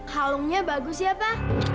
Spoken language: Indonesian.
kalungnya bagus ya pa